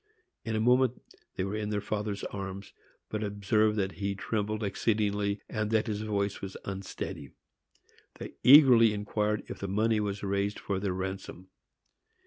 In a moment they were in their father's arms, but observed that he trembled exceedingly, and that his voice was unsteady. They eagerly inquired if the money was raised for their ransom.